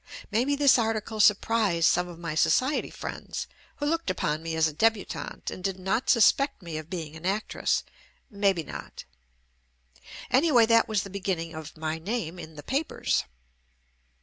Maybe this article surprised some of my so ciety friends, who looked upon me as a debu tante and did not suspect me of being an ac tress, maybe not. Anyway, that was the be ginning of "My Name in the Papers."